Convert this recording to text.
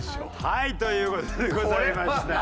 はいという事でございました。